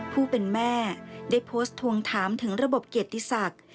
ผู้เป็นแม่ได้โพสต์ทวงถามถึงระบบเกียรติศักดิ์